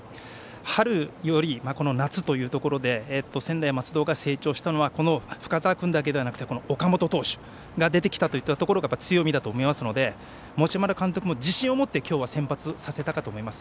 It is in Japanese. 春よりも、この夏というところで専大松戸が成長したのは深沢君だけではなくて岡本投手が出てきたところが強みだと思いますので持丸監督も自信を持って今日は先発させたかと思います。